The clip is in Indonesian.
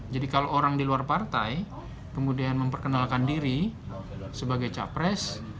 jadi kalau orang di luar partai kemudian memperkenalkan diri sebagai capres